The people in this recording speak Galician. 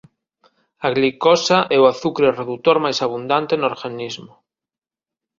A glicosa é o azucre redutor máis abundante no organismo.